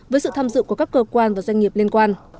với sự tham dự của các cơ quan và doanh nghiệp liên quan